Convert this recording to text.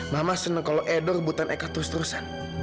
mama senang kalau edo rebutan eka terus terusan